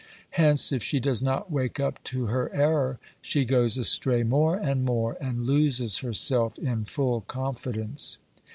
Hence, if she does not wake up to her error, she goes astray more and more, and loses herself in full confidence.